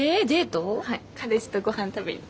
彼氏とごはん食べに。